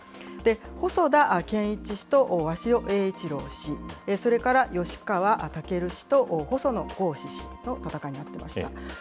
細田健一氏と鷲尾英一郎氏、それから吉川赳氏と細野豪志氏の戦いになってます。